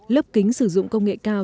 lớp kính sử dụng công nghệ cao